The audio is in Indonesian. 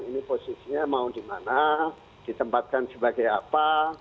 ini posisinya mau di mana ditempatkan sebagai apa